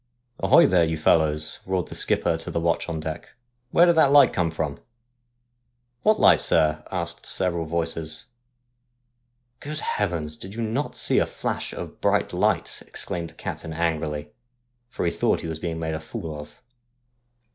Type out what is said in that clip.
' Ahoy, there, you fellows,' roared the skipper to the watch on deck, ' where did that light come from ?'' What light, sir ?' asked several voices. ' Good heavens ! did you not see a flash of bright light ?' exclaimed the captain angrily, for he thought he was being made a fool of.